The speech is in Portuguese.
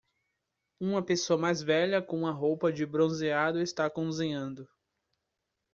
Uma pessoa mais velha com uma roupa de bronzeado está cozinhando.